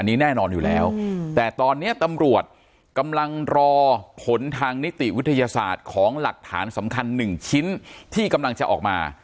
อันนี้แน่นอนอยู่แล้วแต่ตอนนี้ตำรวจกำลังรอผลทางนิติวิทยาศาสตร์ของหลักฐานสำคัญหนึ่งชิ้นที่กำลังจะออกมา